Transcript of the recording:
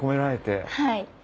はい。